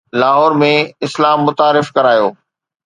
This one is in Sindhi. لاهور ۾ اسلام متعارف ڪرايو